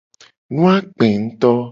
Nu a kpe nguto.